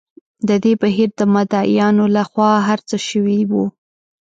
د دې بهیر د مدعییانو له خوا هر څه شوي وو.